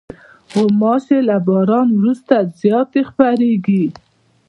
غوماشې له باران وروسته زیاتې خپرېږي.